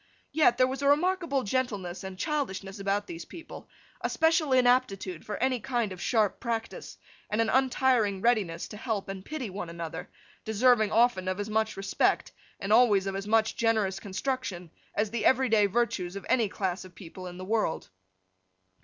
Yet there was a remarkable gentleness and childishness about these people, a special inaptitude for any kind of sharp practice, and an untiring readiness to help and pity one another, deserving often of as much respect, and always of as much generous construction, as the every day virtues of any class of people in the world.